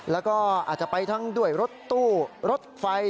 แล้วก็อาจจะไปทั้งด้วยรถตู้รถไฟ